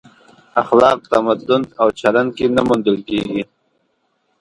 اخلاق تمدن او چلن کې نه موندل کېږي.